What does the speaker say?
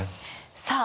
さあ